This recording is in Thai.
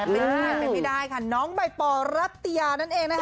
เป็นอย่างไม่ได้ค่ะน้องใบปอรัตเตียนั่นเองนะค่ะ